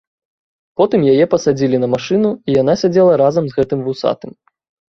Потым яе пасадзілі на машыну, і яна сядзела разам з гэтым вусатым.